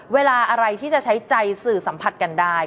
เวลาอะไรที่จะใช้ใจสื่อสัมผัสกันได้